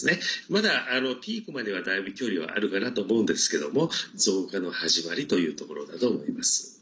まだピークまでは、だいぶ距離はあるかなと思うんですけども増加の始まりというところだと思います。